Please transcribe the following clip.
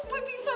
pesan lagi boy